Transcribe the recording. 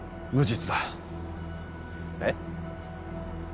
えっ！？